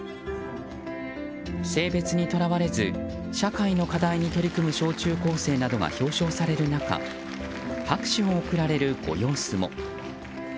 性別にとらわれず社会の課題に取り組む小中高生などが表彰される中拍手を送られるご様子も。